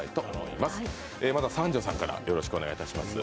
まずは三条さんからよろしくお願いします。